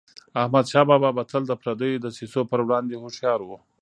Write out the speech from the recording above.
احمدشاه بابا به تل د پردیو دسیسو پر وړاندي هوښیار و.